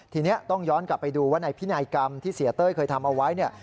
ทีนี้ต้องย้อนกลับไปดูว่าในพินัยกรรมที่เสียเต้ยเคยทำเอาไว้เนี่ย